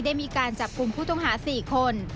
ได้มีการจับกลุ่มผู้ต้องหา๔คน